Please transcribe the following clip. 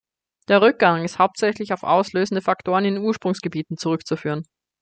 Der Rückgang ist hauptsächlich auf auslösende Faktoren in den Ursprungsgebieten zurückzuführen.